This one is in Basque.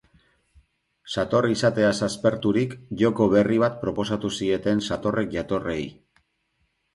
Sator izateaz asperturik, joko berri bat proposatu zieten satorrek jatorrei.